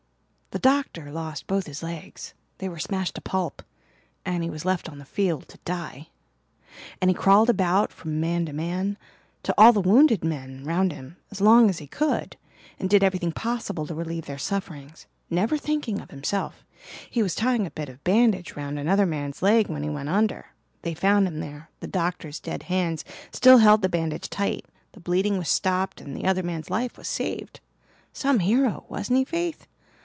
"The doctor lost both his legs they were smashed to pulp and he was left on the field to die. And he crawled about from man to man, to all the wounded men round him, as long as he could, and did everything possible to relieve their sufferings never thinking of himself he was tying a bit of bandage round another man's leg when he went under. They found them there, the doctor's dead hands still held the bandage tight, the bleeding was stopped and the other man's life was saved. Some hero, wasn't he, Faith?